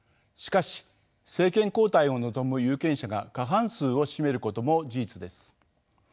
しかし政権交代を望む有権者が過半数を占めることも事実です。